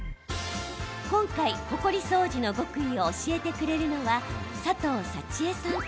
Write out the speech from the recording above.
今回、ほこり掃除の極意を教えてくれるのは佐藤幸恵さん。